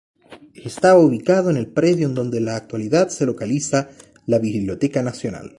Estaba situado en el predio donde en la actualidad se localiza la Biblioteca Nacional.